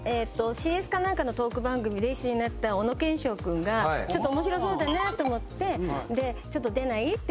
ＣＳかなんかのトーク番組で一緒になった小野賢章君がちょっと面白そうだなと思ってでちょっと出ない？って